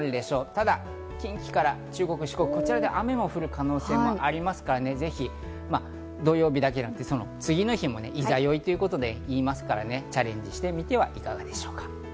ただ近畿から中国、四国、こちらでは雨が降る可能性もありますから、土曜日だけではなく、その次の日も十六夜といいますから、チャレンジしてみてはいかがでしょうか？